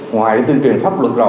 ngoài tuyên truyền pháp luật rồi